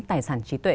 tài sản trí tuệ